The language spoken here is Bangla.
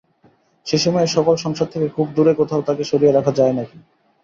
সেই সময়ে সকল সংসার থেকে খুব দূরে কোথাও তাকে সরিয়ে রাখা যায় না কি?